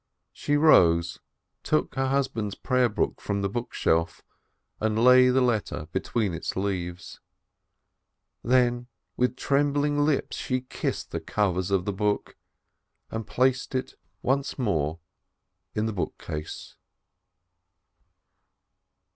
She rose, took her husband's prayer book from the bookshelf, and laid the letter between its leaves. Then with trembling lips she kissed the covers of the book, and placed it once more in the bookcase.